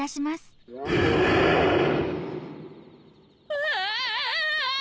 うわ。